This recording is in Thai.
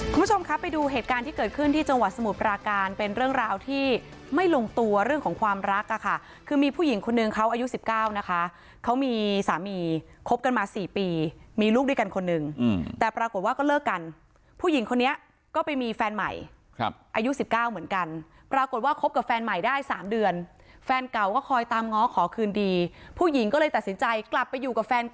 คุณผู้ชมครับไปดูเหตุการณ์ที่เกิดขึ้นที่จังหวัดสมุทรปราการเป็นเรื่องราวที่ไม่ลงตัวเรื่องของความรักค่ะคือมีผู้หญิงคนนึงเขาอายุสิบเก้านะคะเขามีสามีคบกันมาสี่ปีมีลูกด้วยกันคนนึงแต่ปรากฏว่าก็เลิกกันผู้หญิงคนนี้ก็ไปมีแฟนใหม่ครับอายุสิบเก้าเหมือนกันปรากฏว่าคบกับแฟนใหม่ได้สามเดื